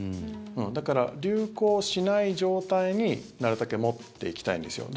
だから、流行しない状態になるたけ持っていきたいんです。